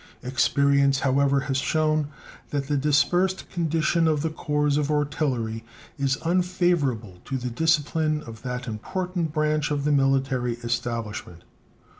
Experience, however, has shewn that the dispersed condition of the corps of artillery is unfavorable to the discipline of that important branch of the military establishment.